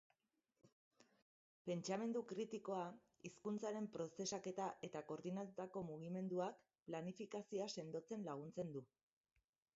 Pentsamendu kritikoa, hizkuntzaren prozesaketa eta koordinatutako mugimenduak planifiikazioa sendotzen laguntzen du.